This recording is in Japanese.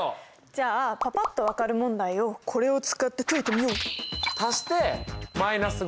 じゃあパパっと分かる問題をこれを使って解いてみよう。